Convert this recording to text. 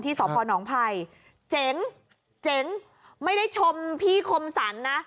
สพนภัยเจ๋งเจ๋งไม่ได้ชมพี่คมสรรนะ